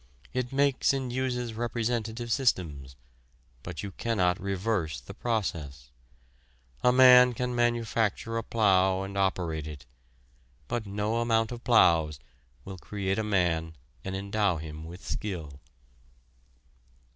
It makes and uses representative systems: but you cannot reverse the process. A man can manufacture a plough and operate it, but no amount of ploughs will create a man and endow him with skill.